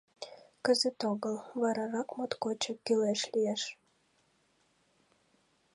— Кызыт огыл, варарак моткочак кӱлеш лиеш...